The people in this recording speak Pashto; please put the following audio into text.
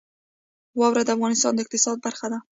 واوره د افغانستان د اقتصاد برخه ده.